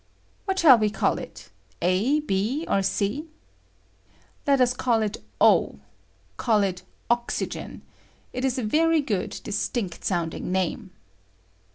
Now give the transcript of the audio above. What shall we call it. A, B, or ? Let us call it 0— call it "Oxygen;" it is a very good, distinct sounding name.